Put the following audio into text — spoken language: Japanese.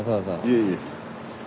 いえいえ。